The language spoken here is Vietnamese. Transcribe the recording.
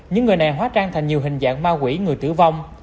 những người này hóa trang thành nhiều hình dạng ma quỷ người tử vong